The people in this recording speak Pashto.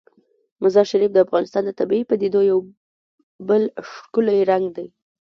مزارشریف د افغانستان د طبیعي پدیدو یو بل ښکلی رنګ دی.